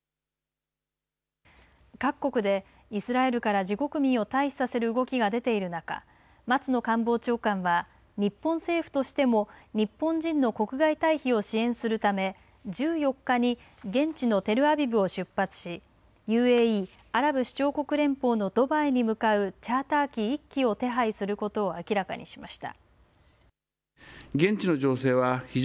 各国でイスラエルから自国民を退避させる動きが出ている中松野官房長官は日本政府としても日本人の国外退避を支援するため１４日に現地のテルアビブを出発しＵＡＥ、アラブ首長国連邦のドバイに向かうチャーター機１機を手配することを明らかにしました。